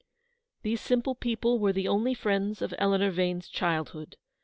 These simple people were the only friends of Eleanor Vane's childhood.